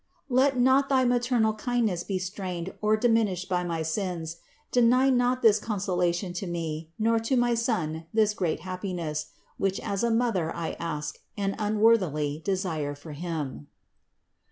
Let not thy mater nal kindness be strained or diminished by my sins ; deny not this consolation to me, nor to my son this great hap piness, which as a mother I ask and unworthily desire for him."